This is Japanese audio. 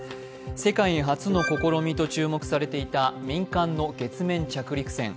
世界初の試みと注目されていた民間の月面着陸船。